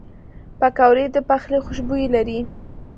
پکورې د پخلي خوشبویي لري